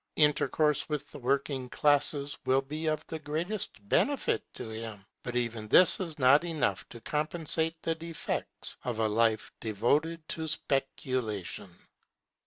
Intercourse with the working classes will be of the greatest benefit to him; but even this is not enough to compensate the defects of a life devoted to speculation.